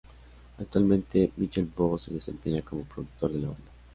Actualmente Michael Voss se desempeña como productor de la banda.